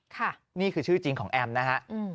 ค่ะนี่คือชื่อจริงของแอมนะครับ